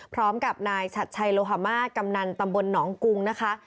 พร้อมกับนายชัดชัยโลฮามากำนันตำบลหนองกุงนะคะ